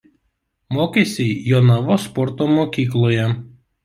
Mokėsi Jonavos sporto mokykloje.